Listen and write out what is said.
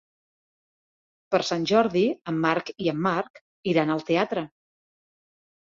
Per Sant Jordi en Marc i en Marc iran al teatre.